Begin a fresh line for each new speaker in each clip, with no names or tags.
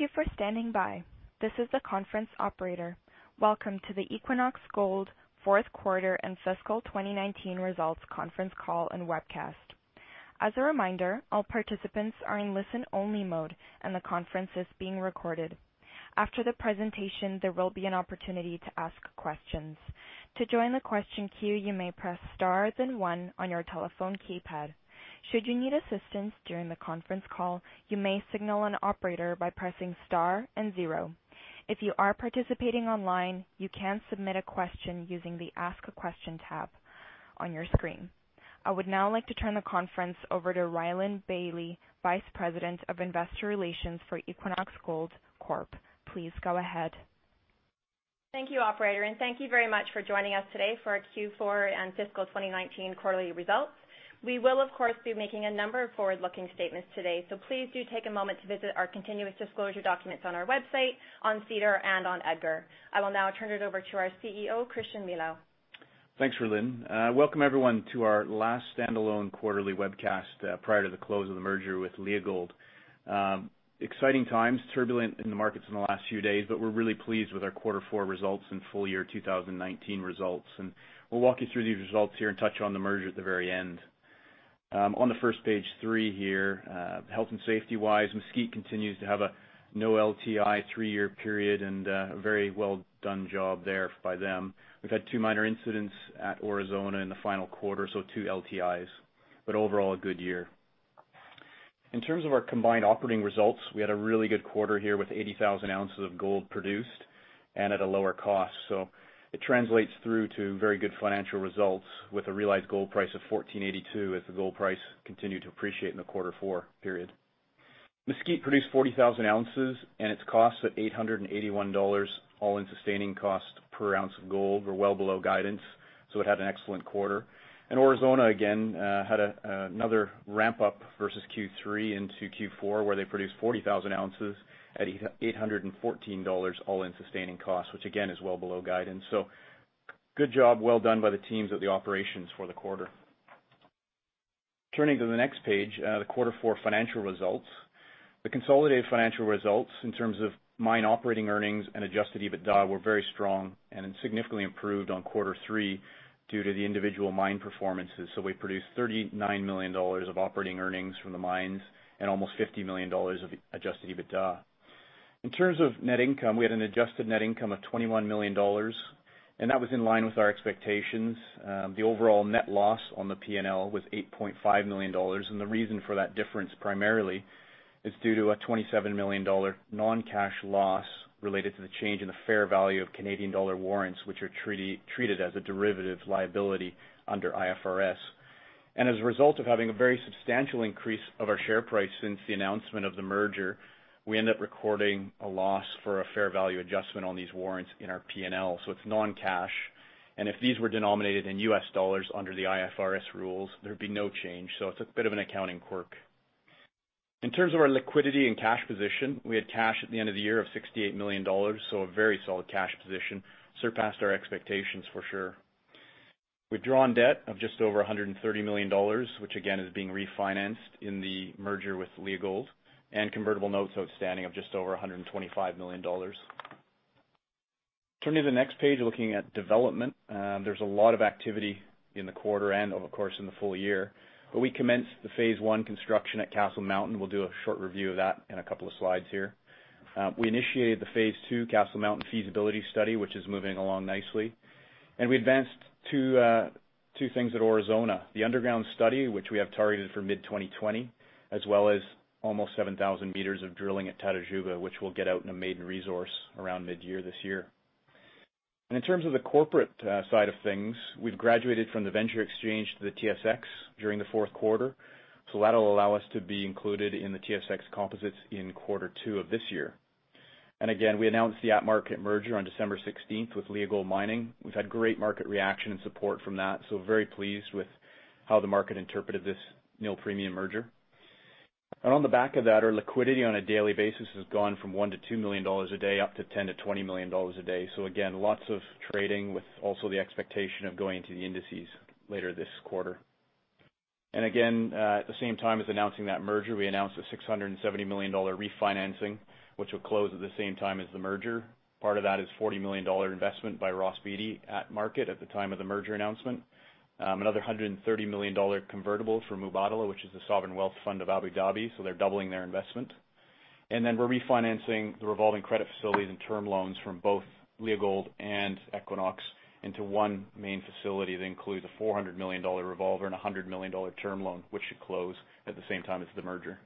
Thank you for standing by. This is the conference operator. Welcome to the Equinox Gold fourth quarter and fiscal 2019 results conference call and webcast. As a reminder, all participants are in listen-only mode, and the conference is being recorded. After the presentation, there will be an opportunity to ask questions. To join the question queue, you may press star then one on your telephone keypad. Should you need assistance during the conference call, you may signal an operator by pressing star and zero. If you are participating online, you can submit a question using the Ask a Question tab on your screen. I would now like to turn the conference over to Rhylin Bailie, Vice President of Investor Relations for Equinox Gold Corp. Please go ahead.
Thank you, operator, and thank you very much for joining us today for our Q4 and fiscal 2019 quarterly results. We will, of course, be making a number of forward-looking statements today, so please do take a moment to visit our continuous disclosure documents on our website, on SEDAR, and on EDGAR. I will now turn it over to our CEO, Christian Milau.
Thanks, Rhylin. Welcome, everyone, to our last standalone quarterly webcast prior to the close of the merger with Leagold. Exciting times, turbulent in the markets in the last few days, but we're really pleased with our quarter four results and full year 2019 results. We'll walk you through these results here and touch on the merger at the very end. On the first page three here, health and safety-wise, Mesquite continues to have a no LTI three-year period and a very well-done job there by them. We've had two minor incidents at Aurizona in the final quarter, so two LTIs. Overall, a good year. In terms of our combined operating results, we had a really good quarter here with 80,000 ounces of gold produced and at a lower cost. It translates through to very good financial results with a realized gold price of $1,482 as the gold price continued to appreciate in the quarter four period. Mesquite produced 40,000 ounces and its cost at $881 all-in sustaining cost per ounce of gold. Were well below guidance, it had an excellent quarter. Aurizona, again, had another ramp-up versus Q3 into Q4 where they produced 40,000 ounces at $814 all-in sustaining costs, which again is well below guidance. Good job, well done by the teams at the operations for the quarter. Turning to the next page, the quarter four financial results. The consolidated financial results in terms of mine operating earnings and adjusted EBITDA were very strong and significantly improved on quarter three due to the individual mine performances. We produced $39 million of operating earnings from the mines and almost $50 million of adjusted EBITDA. In terms of net income, we had an adjusted net income of $21 million. That was in line with our expectations. The overall net loss on the P&L was $8.5 million. The reason for that difference primarily is due to a $27 million non-cash loss related to the change in the fair value of Canadian dollar warrants, which are treated as a derivative liability under IFRS. As a result of having a very substantial increase of our share price since the announcement of the merger, we end up recording a loss for a fair value adjustment on these warrants in our P&L. It's non-cash. If these were denominated in USD under the IFRS rules, there'd be no change. It's a bit of an accounting quirk. In terms of our liquidity and cash position, we had cash at the end of the year of $68 million. A very solid cash position. Surpassed our expectations for sure. We've drawn debt of just over $130 million, which again is being refinanced in the merger with Leagold and convertible notes outstanding of just over $125 million. Turning to the next page, looking at development. There's a lot of activity in the quarter and of course in the full year. We commenced the phase I construction at Castle Mountain. We'll do a short review of that in two slides here. We initiated the phase II Castle Mountain feasibility study, which is moving along nicely. We advanced two things at Aurizona, the underground study, which we have targeted for mid-2020, as well as almost 7,000 meters of drilling at Tatajuba, which we'll get out in a maiden resource around mid-year this year. In terms of the corporate side of things, we've graduated from the TSX Venture Exchange to the Toronto Stock Exchange during the fourth quarter. That'll allow us to be included in the Toronto Stock Exchange composites in quarter two of this year. Again, we announced the at-market merger on December 16th with Leagold Mining. We've had great market reaction and support from that, so very pleased with how the market interpreted this nil premium merger. On the back of that, our liquidity on a daily basis has gone from $1 million-$2 million a day up to $10 million-$20 million a day. Again, lots of trading with also the expectation of going to the indices later this quarter. Again, at the same time as announcing that merger, we announced a $670 million refinancing, which will close at the same time as the merger. Part of that is $40 million investment by Ross Beaty at market at the time of the merger announcement. Another $130 million convertible from Mubadala, which is the sovereign wealth fund of Abu Dhabi, so they're doubling their investment. Then we're refinancing the revolving credit facilities and term loans from both Leagold and Equinox into one main facility that includes a $400 million revolver and $100 million term loan, which should close at the same time as the merger.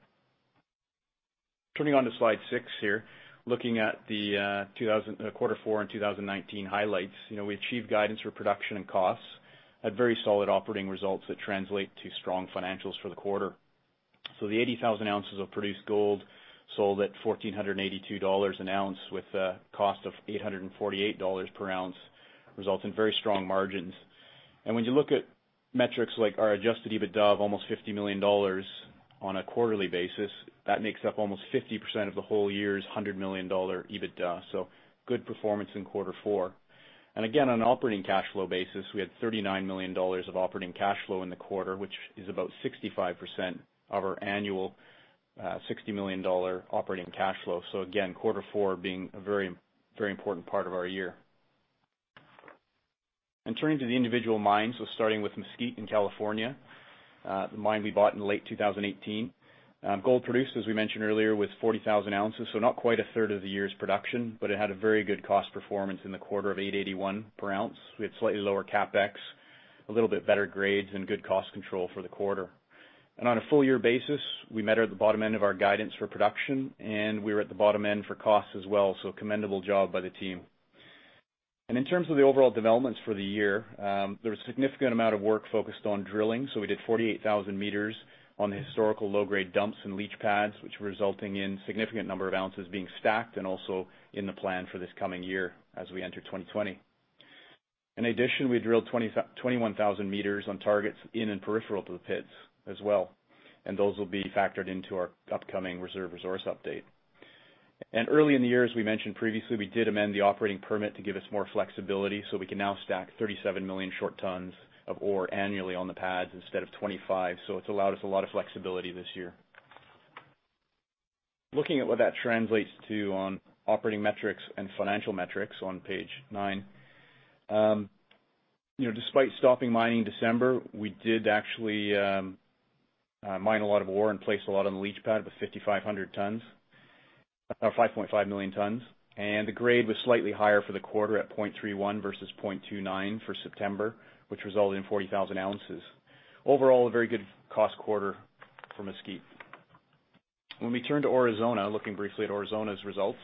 Turning on to slide six here, looking at the quarter four and 2019 highlights. We achieved guidance for production and costs at very solid operating results that translate to strong financials for the quarter. The 80,000 ounces of produced gold sold at $1,482 an ounce with a cost of $848 per ounce results in very strong margins. When you look at metrics like our adjusted EBITDA of almost $50 million on a quarterly basis, that makes up almost 50% of the whole year's $100 million EBITDA, good performance in quarter four. Again, on an operating cash flow basis, we had $39 million of operating cash flow in the quarter, which is about 65% of our annual $60 million operating cash flow. Again, quarter four being a very important part of our year. Turning to the individual mines. Starting with Mesquite in California, the mine we bought in late 2018. Gold produced, as we mentioned earlier, was 40,000 ounces, so not quite a third of the year's production, but it had a very good cost performance in the quarter of $881 per ounce. We had slightly lower CapEx, a little bit better grades, and good cost control for the quarter. On a full year basis, we met at the bottom end of our guidance for production, and we were at the bottom end for costs as well. Commendable job by the team. In terms of the overall developments for the year, there was a significant amount of work focused on drilling. We did 48,000 meters on the historical low-grade dumps and leach pads, which resulting in significant number of ounces being stacked, and also in the plan for this coming year as we enter 2020. In addition, we drilled 21,000 meters on targets in and peripheral to the pits as well, and those will be factored into our upcoming reserve resource update. Early in the year, as we mentioned previously, we did amend the operating permit to give us more flexibility so we can now stack 37 million short tons of ore annually on the pads instead of 25. It's allowed us a lot of flexibility this year. Looking at what that translates to on operating metrics and financial metrics on page nine. Despite stopping mining in December, we did actually mine a lot of ore and place a lot on the leach pad with 5,500 tons or 5.5 million tons, and the grade was slightly higher for the quarter at 0.31 versus 0.29 for September, which resulted in 40,000 ounces. Overall, a very good cost quarter for Mesquite. When we turn to Aurizona, looking briefly at Aurizona's results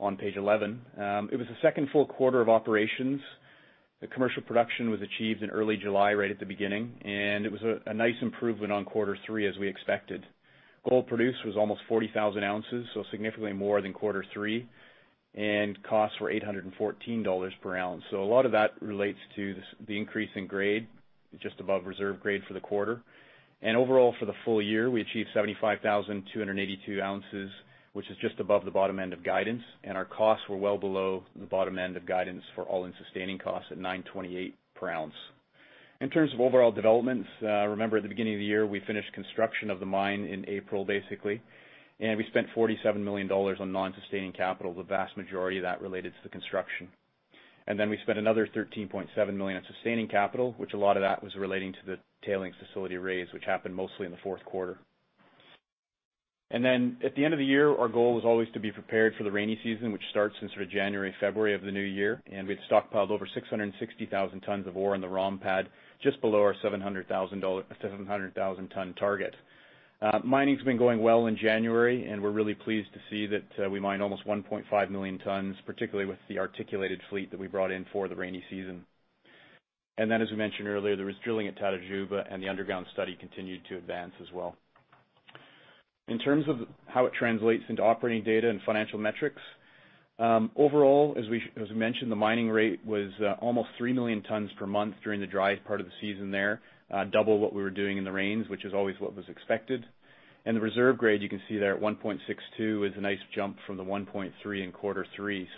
on page 11. It was the second full quarter of operations. The commercial production was achieved in early July, right at the beginning, and it was a nice improvement on quarter three as we expected. Gold produced was almost 40,000 ounces, so significantly more than quarter three, and costs were $814 per ounce. A lot of that relates to the increase in grade, just above reserve grade for the quarter. Overall, for the full year, we achieved 75,282 ounces, which is just above the bottom end of guidance, and our costs were well below the bottom end of guidance for all-in sustaining costs at $928 per ounce. In terms of overall developments, remember at the beginning of the year, we finished construction of the mine in April, basically, and we spent $47 million on non-sustaining capital, the vast majority of that related to the construction. We spent another $13.7 million on sustaining capital, which a lot of that was relating to the tailings facility raise, which happened mostly in the fourth quarter. At the end of the year, our goal was always to be prepared for the rainy season, which starts in sort of January, February of the new year, and we'd stockpiled over 660,000 tons of ore in the ROM pad, just below our 700,000-ton target. Mining's been going well in January, and we're really pleased to see that we mined almost 1.5 million tons, particularly with the articulated fleet that we brought in for the rainy season. As we mentioned earlier, there was drilling at Tatajuba and the underground study continued to advance as well. In terms of how it translates into operating data and financial metrics. Overall, as we mentioned, the mining rate was almost 3 million tons per month during the dry part of the season there, double what we were doing in the rains, which is always what was expected. The reserve grade you can see there at 1.62 is a nice jump from the 1.3 in quarter three.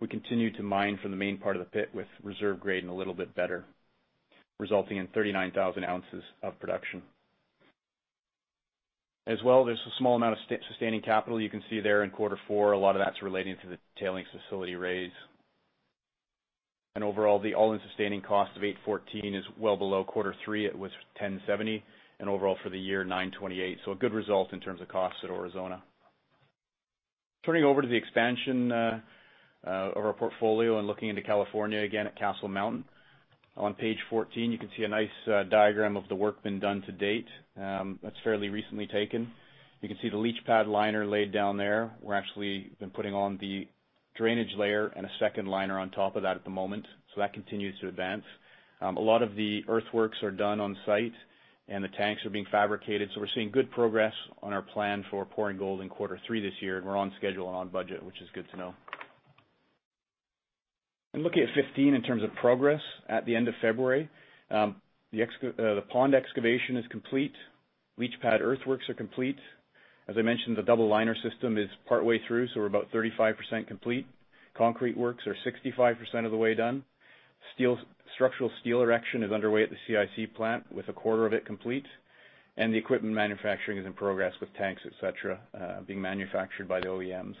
We continue to mine from the main part of the pit with reserve grade and a little bit better, resulting in 39,000 ounces of production. As well, there's a small amount of sustaining capital you can see there in quarter four. A lot of that's relating to the tailings facility raise. Overall, the all-in sustaining cost of $814 is well below quarter three, it was $1,070, and overall for the year, $928. A good result in terms of costs at Aurizona. Turning over to the expansion of our portfolio and looking into California again at Castle Mountain. On page 14, you can see a nice diagram of the work been done to date. That's fairly recently taken. You can see the leach pad liner laid down there. We're actually been putting on the drainage layer and a second liner on top of that at the moment. That continues to advance. A lot of the earthworks are done on site, and the tanks are being fabricated. We're seeing good progress on our plan for pouring gold in quarter three this year, and we're on schedule and on budget, which is good to know. Looking at 15 in terms of progress at the end of February. The pond excavation is complete. Leach pad earthworks are complete. As I mentioned, the double liner system is partway through, so we're about 35% complete. Concrete works are 65% of the way done. Structural steel erection is underway at the CIC plant, with a quarter of it complete. The equipment manufacturing is in progress, with tanks, et cetera, being manufactured by the OEMs.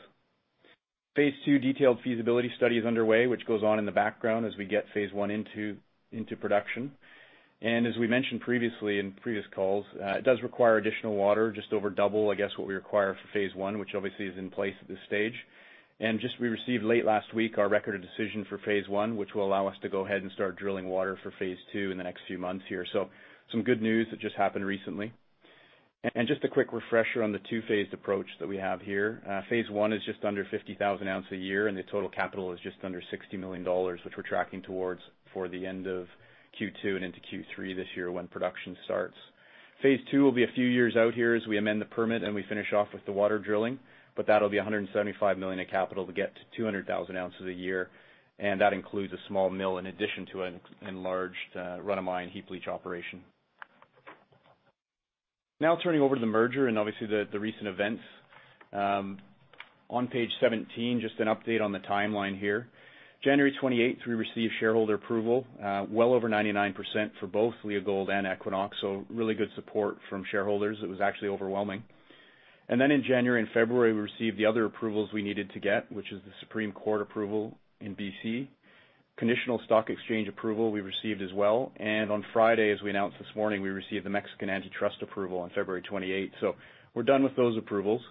Phase II detailed feasibility study is underway, which goes on in the background as we get phase I into production. As we mentioned previously in previous calls, it does require additional water, just over double, I guess, what we require for phase I, which obviously is in place at this stage. Just we received late last week our Record of Decision for phase I, which will allow us to go ahead and start drilling water for phase II in the next few months here. Some good news that just happened recently. Just a quick refresher on the two-phased approach that we have here. Phase I is just under 50,000 ounce a year, and the total capital is just under $60 million, which we're tracking towards for the end of Q2 and into Q3 this year when production starts. Phase II will be a few years out here as we amend the permit and we finish off with the water drilling. That'll be $175 million of capital to get to 200,000 ounces a year, and that includes a small mill in addition to an enlarged run-of-mine heap leach operation. Turning over to the merger and obviously the recent events. On page 17, just an update on the timeline here. January 28th, we received shareholder approval, well over 99% for both Leagold and Equinox, really good support from shareholders. It was actually overwhelming. Then in January and February, we received the other approvals we needed to get, which is the Supreme Court approval in B.C. Conditional stock exchange approval we received as well. On Friday, as we announced this morning, we received the Mexican antitrust approval on February 28th. We're done with those approvals.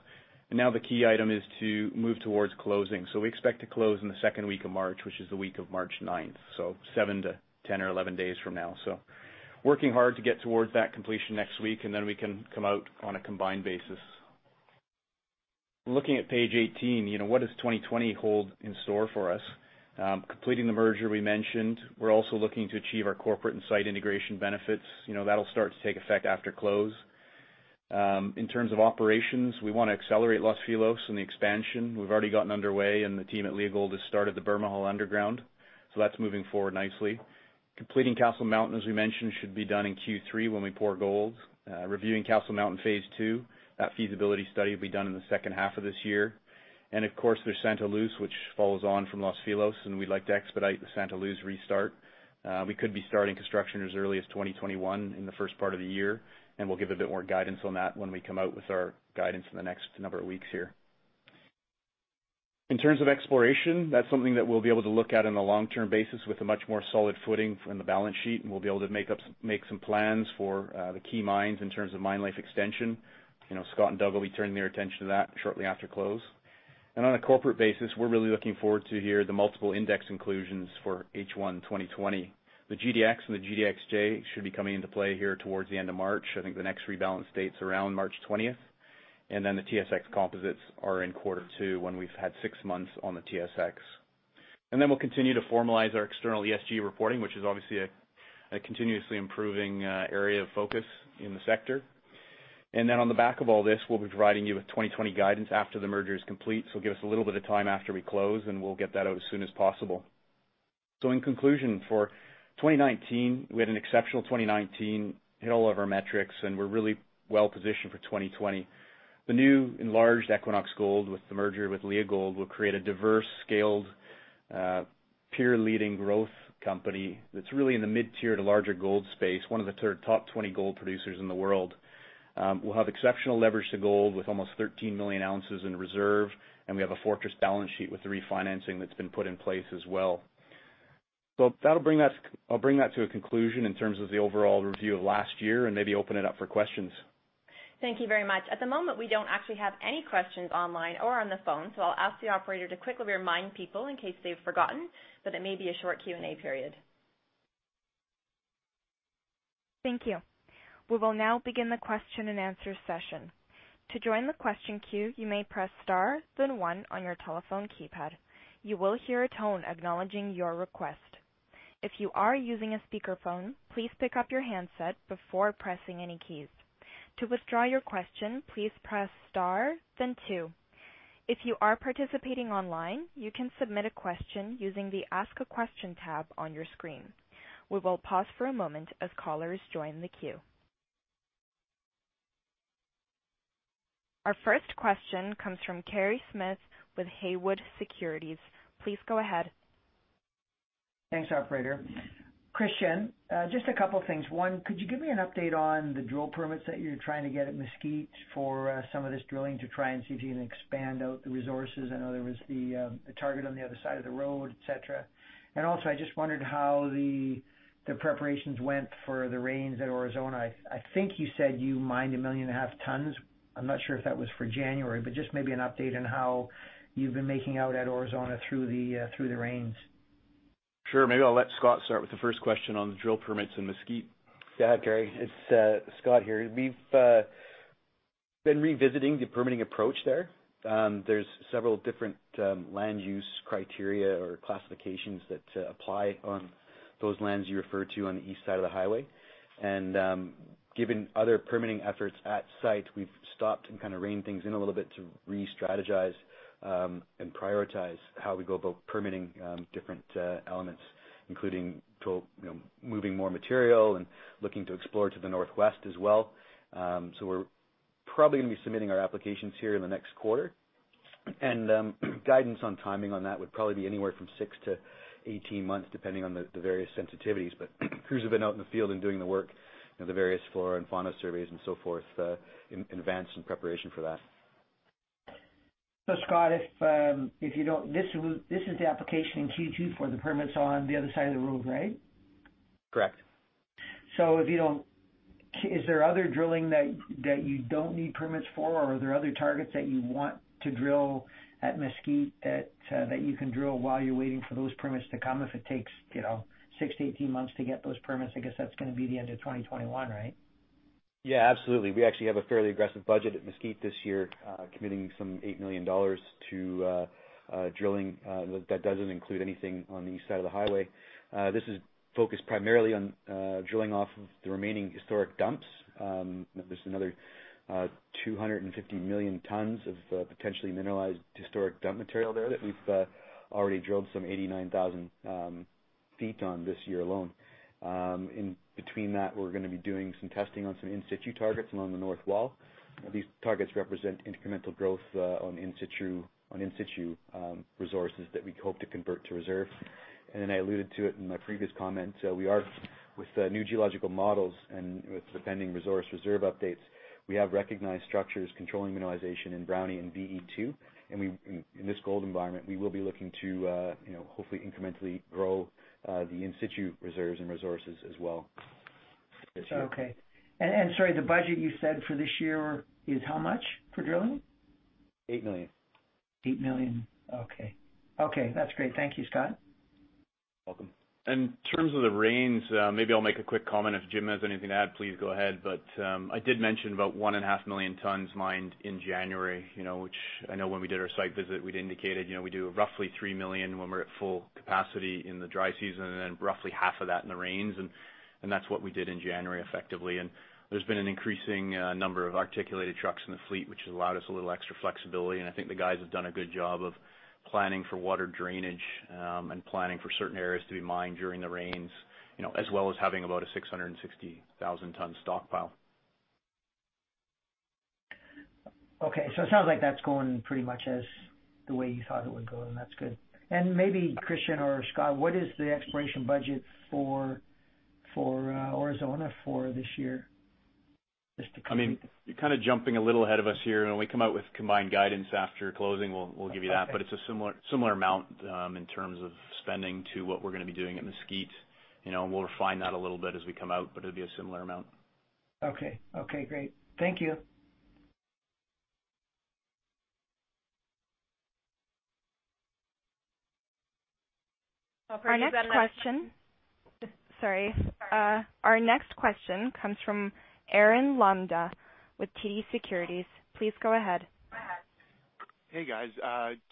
Now the key item is to move towards closing. We expect to close in the second week of March, which is the week of March 9th, seven to 10 or 11 days from now. Working hard to get towards that completion next week, and then we can come out on a combined basis. Looking at page 18, what does 2020 hold in store for us? Completing the merger we mentioned. We're also looking to achieve our corporate and site integration benefits. That'll start to take effect after close. In terms of operations, we want to accelerate Los Filos and the expansion. We've already gotten underway, and the team at Leagold has started the Bermejal underground, so that's moving forward nicely. Completing Castle Mountain, as we mentioned, should be done in Q3 when we pour gold. Reviewing Castle Mountain phase two, that feasibility study will be done in the second half of this year. Of course, there's Santa Luz, which follows on from Los Filos, and we'd like to expedite the Santa Luz restart. We could be starting construction as early as 2021 in the first part of the year, and we'll give a bit more guidance on that when we come out with our guidance in the next number of weeks here. In terms of exploration, that's something that we'll be able to look at on a long-term basis with a much more solid footing from the balance sheet, and we'll be able to make some plans for the key mines in terms of mine life extension. Scott and Doug will be turning their attention to that shortly after close. On a corporate basis, we're really looking forward to hear the multiple index inclusions for H1 2020. The GDX and the GDXJ should be coming into play here towards the end of March. I think the next rebalance date's around March 20th. The TSX Composites are in quarter two when we've had six months on the TSX. We'll continue to formalize our external ESG reporting, which is obviously a continuously improving area of focus in the sector. On the back of all this, we'll be providing you with 2020 guidance after the merger is complete. Give us a little bit of time after we close, and we'll get that out as soon as possible. In conclusion, for 2019, we had an exceptional 2019, hit all of our metrics, and we're really well-positioned for 2020. The new enlarged Equinox Gold with the merger with Leagold will create a diverse, scaled, peer-leading growth company that's really in the mid-tier to larger gold space, one of the top 20 gold producers in the world. We'll have exceptional leverage to gold with almost 13 million ounces in reserve, and we have a fortress balance sheet with the refinancing that's been put in place as well. I'll bring that to a conclusion in terms of the overall review of last year and maybe open it up for questions.
Thank you very much. At the moment, we don't actually have any questions online or on the phone, so I'll ask the operator to quickly remind people in case they've forgotten that it may be a short Q&A period.
Thank you. We will now begin the question-and-answer session. To join the question queue, you may press star then one on your telephone keypad. You will hear a tone acknowledging your request. If you are using a speakerphone, please pick up your handset before pressing any keys. To withdraw your question, please press star then two. If you are participating online, you can submit a question using the Ask a Question tab on your screen. We will pause for a moment as callers join the queue. Our first question comes from Kerry Smith with Haywood Securities. Please go ahead.
Thanks, operator. Christian, just a couple of things. One, could you give me an update on the drill permits that you're trying to get at Mesquite for some of this drilling to try and see if you can expand out the resources? I know there was the target on the other side of the road, et cetera. I just wondered how the preparations went for the rains at Aurizona. I think you said you mined 1.5 million tons. I'm not sure if that was for January, but just maybe an update on how you've been making out at Aurizona through the rains.
Sure. Maybe I'll let Scott start with the first question on the drill permits in Mesquite.
Yeah, Kerry, it's Scott here. We've been revisiting the permitting approach there. There's several different land use criteria or classifications that apply on those lands you refer to on the east side of the highway. Given other permitting efforts at site, we've stopped and reigned things in a little bit to re-strategize and prioritize how we go about permitting different elements, including moving more material and looking to explore to the northwest as well. We're probably going to be submitting our applications here in the next quarter, and guidance on timing on that would probably be anywhere from 6-18 months, depending on the various sensitivities. Crews have been out in the field and doing the work, the various flora and fauna surveys and so forth in advance, in preparation for that.
Scott, this is the application in Q2 for the permits on the other side of the road, right?
Correct.
Is there other drilling that you don't need permits for, or are there other targets that you want to drill at Mesquite that you can drill while you're waiting for those permits to come? If it takes 8-18 months to get those permits, I guess that's going to be the end of 2021, right?
Yeah, absolutely. We actually have a fairly aggressive budget at Mesquite this year, committing some $8 million to drilling. That doesn't include anything on the east side of the highway. This is focused primarily on drilling off of the remaining historic dumps. There's another 250 million tons of potentially mineralized historic dump material there that we've already drilled some 89,000 feet on this year alone. In between that, we're going to be doing some testing on some in situ targets along the north wall. These targets represent incremental growth on in situ resources that we hope to convert to reserve. I alluded to it in my previous comment. We are with the new geological models and with the pending resource reserve updates, we have recognized structures controlling mineralization in Brownie and VE-2. In this gold environment, we will be looking to hopefully incrementally grow the in-situ reserves and resources as well this year.
Okay. Sorry, the budget you said for this year is how much for drilling?
$8 million.
$8 million. Okay. That's great. Thank you, Scott.
Welcome.
In terms of the rains, maybe I'll make a quick comment. If Jim has anything to add, please go ahead. I did mention about 1.5 million tons mined in January, which I know when we did our site visit, we'd indicated we do roughly 3 million when we're at full capacity in the dry season, and then roughly half of that in the rains. That's what we did in January effectively. There's been an increasing number of articulated trucks in the fleet, which has allowed us a little extra flexibility. I think the guys have done a good job of planning for water drainage, and planning for certain areas to be mined during the rains, as well as having about a 660,000-ton stockpile.
Okay. It sounds like that's going pretty much as the way you thought it would go, and that's good. Maybe Christian or Scott, what is the exploration budget for Aurizona for this year?
You're jumping a little ahead of us here. When we come out with combined guidance after closing, we'll give you that.
Okay.
It's a similar amount, in terms of spending to what we're going to be doing at Mesquite. We'll refine that a little bit as we come out, but it'll be a similar amount.
Okay, great. Thank you.
Sorry. Our next question comes from Arun Lamba with TD Securities. Please go ahead.
Hey, guys.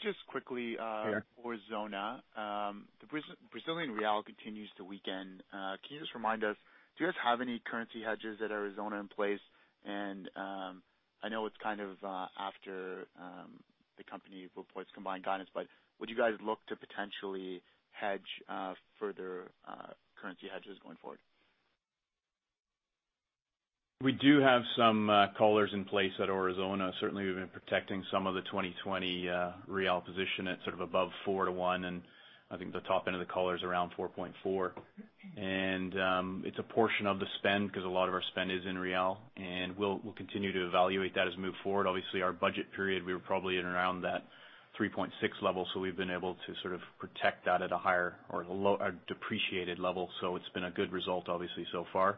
Sure
Aurizona, the Brazilian real continues to weaken. Can you just remind us, do you guys have any currency hedges at Aurizona in place? I know it's after the company reports combined guidance, but would you guys look to potentially hedge further currency hedges going forward?
We do have some collars in place at Aurizona. Certainly, we've been protecting some of the 2020 real position at above 4 to 1, and I think the top end of the collar is around 4.4. It's a portion of the spend because a lot of our spend is in BRL and we'll continue to evaluate that as move forward. Obviously, our budget period, we were probably in around that 3.6 level, so we've been able to protect that at a higher or a depreciated level. It's been a good result, obviously, so far.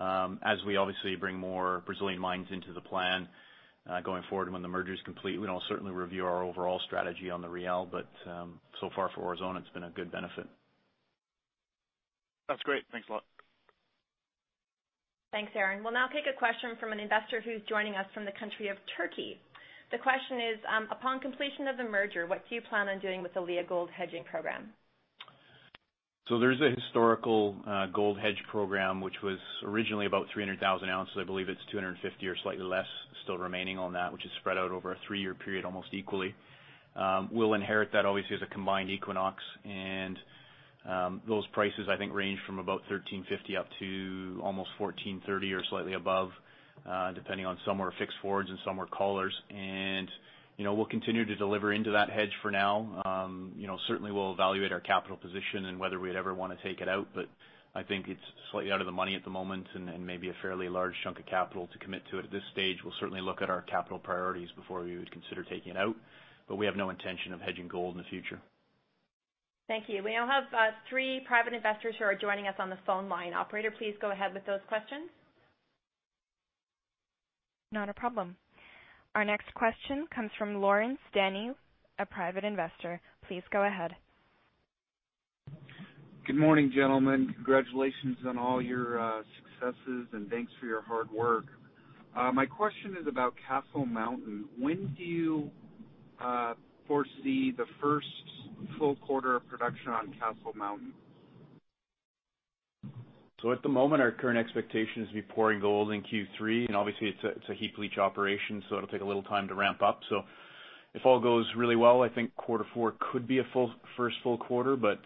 As we obviously bring more Brazilian mines into the plan, going forward and when the merger is complete, we'll certainly review our overall strategy on the BRL. So far for Aurizona, it's been a good benefit.
That's great. Thanks a lot.
Thanks, Arun. We'll now take a question from an investor who's joining us from the country of Turkey. The question is, upon completion of the merger, what do you plan on doing with the Leagold hedging program?
There's a historical gold hedge program, which was originally about 300,000 ounces. I believe it's 250 or slightly less still remaining on that, which is spread out over a three-year period, almost equally. We'll inherit that obviously as a combined Equinox and those prices I think range from about $1,350 up to almost $1,430 or slightly above, depending on some were fixed forwards and some were collars. We'll continue to deliver into that hedge for now. Certainly, we'll evaluate our capital position and whether we'd ever want to take it out, but I think it's slightly out of the money at the moment and maybe a fairly large chunk of capital to commit to it at this stage. We'll certainly look at our capital priorities before we would consider taking it out, but we have no intention of hedging gold in the future.
Thank you. We now have three private investors who are joining us on the phone line. Operator, please go ahead with those questions.
Not a problem. Our next question comes from Lawrence Danny, a private investor. Please go ahead.
Good morning, gentlemen. Congratulations on all your successes and thanks for your hard work. My question is about Castle Mountain. When do you foresee the first full quarter of production on Castle Mountain?
At the moment, our current expectation is to be pouring gold in Q3, and obviously it's a heap leach operation, so it'll take a little time to ramp up. If all goes really well, I think quarter four could be a first full quarter, but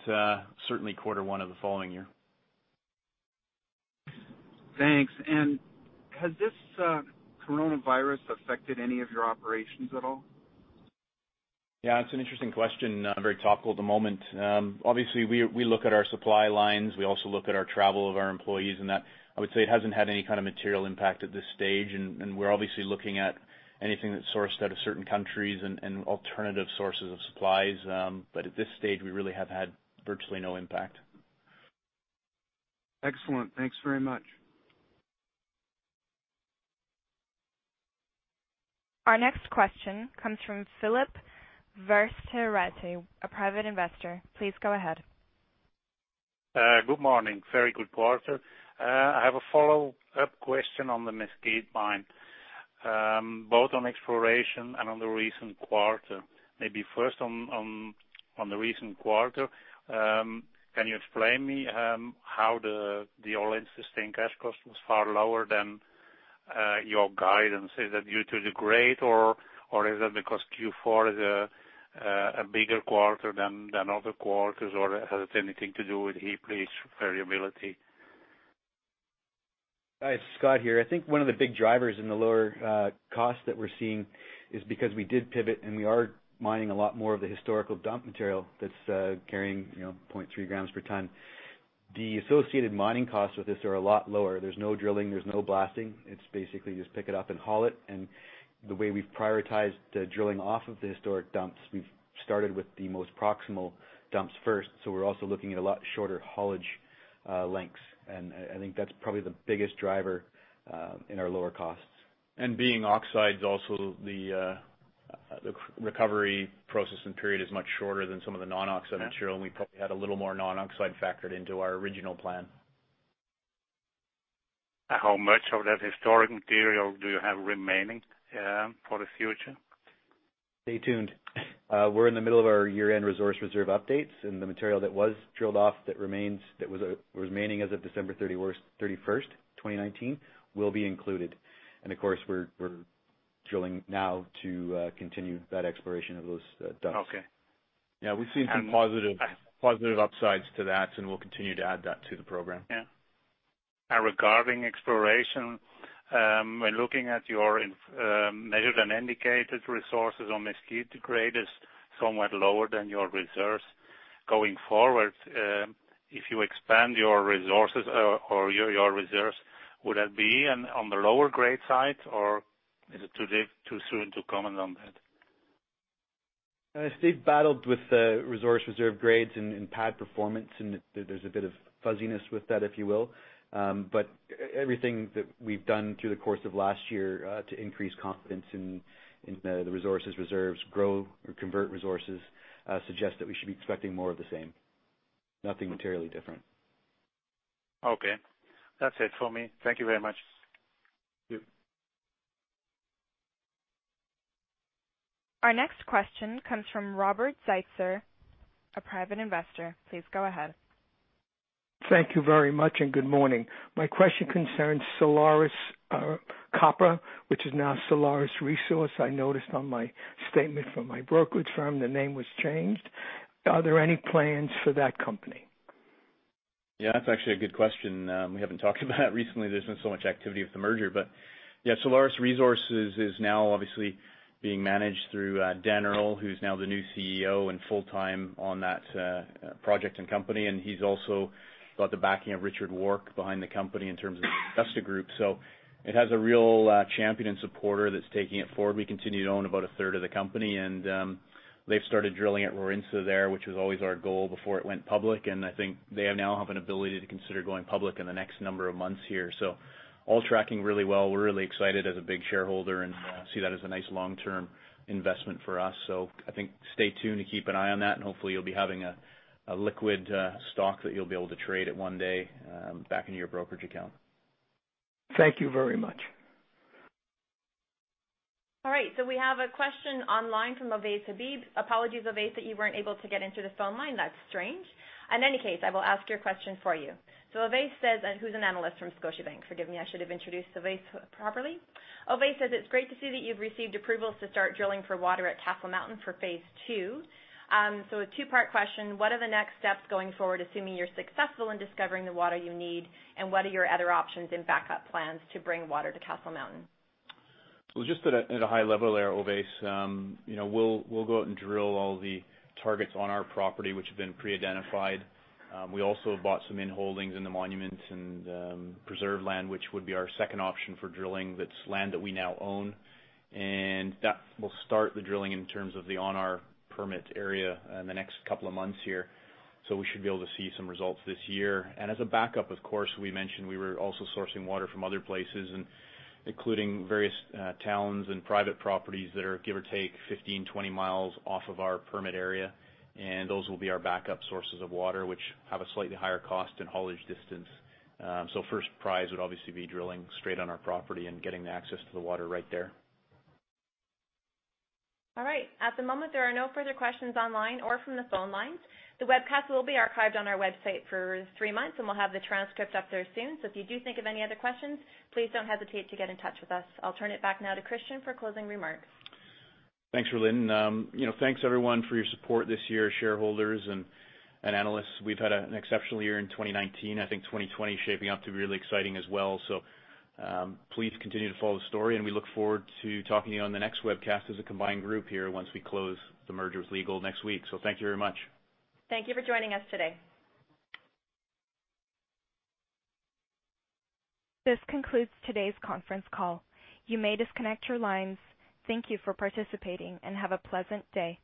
certainly quarter one of the following year.
Thanks. Has this coronavirus affected any of your operations at all?
Yeah, it's an interesting question, very topical at the moment. Obviously, we look at our supply lines. We also look at our travel of our employees and that. I would say it hasn't had any kind of material impact at this stage, and we're obviously looking at anything that's sourced out of certain countries and alternative sources of supplies. At this stage, we really have had virtually no impact.
Excellent. Thanks very much.
Our next question comes from Philip Versterette, a private investor. Please go ahead.
Good morning. Very good quarter. I have a follow-up question on the Mesquite mine, both on exploration and on the recent quarter. Maybe first on the recent quarter, can you explain me how the all-in sustaining cash cost was far lower than your guidance? Is that due to the grade or is that because Q4 is a bigger quarter than other quarters, or has it anything to do with heap leach variability?
Hi, it's Scott here. I think one of the big drivers in the lower costs that we're seeing is because we did pivot, and we are mining a lot more of the historical dump material that's carrying 0.3 grams per ton. The associated mining costs with this are a lot lower. There's no drilling, there's no blasting. It's basically just pick it up and haul it. The way we've prioritized the drilling off of the historic dumps, we've started with the most proximal dumps first. We're also looking at a lot shorter haulage lengths. I think that's probably the biggest driver in our lower costs.
Being oxides also, the recovery process and period is much shorter than some of the non-oxide material.
Yeah.
We probably had a little more non-oxide factored into our original plan.
How much of that historic material do you have remaining for the future?
Stay tuned. We're in the middle of our year-end resource reserve updates, and the material that was drilled off that was remaining as of December 31st, 2019, will be included. Of course, we're drilling now to continue that exploration of those dumps.
Okay.
Yeah, we've seen some positive upsides to that, and we'll continue to add that to the program.
Yeah. Regarding exploration, when looking at your measured and indicated resources on Mesquite, the grade is somewhat lower than your reserves. Going forward, if you expand your resources or your reserves, would that be on the lower grade side, or is it too soon to comment on that?
Steve battled with the resource reserve grades and pad performance, and there's a bit of fuzziness with that, if you will. Everything that we've done through the course of last year to increase confidence in the resources, reserves, grow or convert resources suggests that we should be expecting more of the same. Nothing materially different.
Okay. That's it for me. Thank you very much.
Thank you.
Our next question comes from Robert Zeitzer, a private investor. Please go ahead.
Thank you very much, and good morning. My question concerns Solaris Copper, which is now Solaris Resources. I noticed on my statement from my brokerage firm the name was changed. Are there any plans for that company?
Yeah, that's actually a good question. We haven't talked about it recently. There's been so much activity with the merger. Solaris Resources is now obviously being managed through Daniel Earle, who's now the new CEO and full-time on that project and company. He's also got the backing of Richard Warke behind the company in terms of investor group. It has a real champion and supporter that's taking it forward. We continue to own about a third of the company, and they've started drilling at Warintza there, which was always our goal before it went public. I think they now have an ability to consider going public in the next number of months here. All tracking really well. We're really excited as a big shareholder and see that as a nice long-term investment for us. I think stay tuned to keep an eye on that, and hopefully you'll be having a liquid stock that you'll be able to trade at one day back into your brokerage account.
Thank you very much.
All right, we have a question online from Ovais Habib. Apologies, Ovais, that you weren't able to get into the phone line. That's strange. In any case, I will ask your question for you. Ovais says, who's an Analyst from Scotiabank. Forgive me, I should have introduced Ovais properly. Ovais says it's great to see that you've received approvals to start drilling for water at Castle Mountain for phase II. A two-part question. What are the next steps going forward, assuming you're successful in discovering the water you need? What are your other options and backup plans to bring water to Castle Mountain?
Well, just at a high level there, Ovais, we'll go out and drill all the targets on our property which have been pre-identified. We also bought some in holdings in the monuments and preserved land, which would be our second option for drilling. That's land that we now own. That will start the drilling in terms of the on our permit area in the next couple of months here. We should be able to see some results this year. As a backup, of course, we mentioned we were also sourcing water from other places, including various towns and private properties that are give or take 15, 20 miles off of our permit area. Those will be our backup sources of water, which have a slightly higher cost and haulage distance. First prize would obviously be drilling straight on our property and getting the access to the water right there.
All right. At the moment, there are no further questions online or from the phone lines. The webcast will be archived on our website for three months, and we'll have the transcript up there soon. If you do think of any other questions, please don't hesitate to get in touch with us. I'll turn it back now to Christian for closing remarks.
Thanks, Rhylin. Thanks, everyone, for your support this year, shareholders and analysts. We've had an exceptional year in 2019. I think 2020 is shaping up to be really exciting as well. Please continue to follow the story, and we look forward to talking to you on the next webcast as a combined group here once we close the merger with Leagold next week. Thank you very much.
Thank you for joining us today.
This concludes today's conference call. You may disconnect your lines. Thank you for participating, and have a pleasant day.